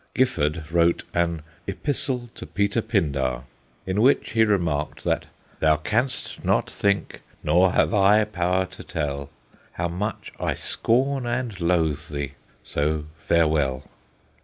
Gifford wrote an ' Epistle to Peter Pindar/ in which he remarked that * Thou canst not think, nor have I power to tell How much I scorn and loathe thee so farewell.'